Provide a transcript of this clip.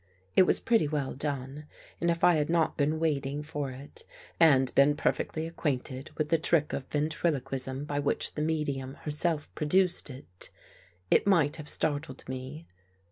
It was pretty well done and if I had not been waiting for it and been perfectly acquainted with the trick of ventriloquism by which the medium herself produced it, it might have startled me.